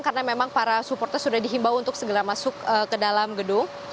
karena memang para supporter sudah dihimbau untuk segera masuk ke dalam gedung